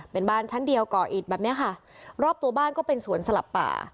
เป็นบ้านชั้นเดียวก่ออิดแบบเนี้ยค่ะรอบตัวบ้านก็เป็นสวนสลับป่า